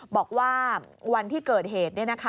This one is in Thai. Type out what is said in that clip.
บอกว่าวันที่เกิดเหตุ